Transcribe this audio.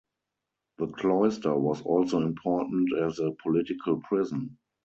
The cloister was also important as a political prison.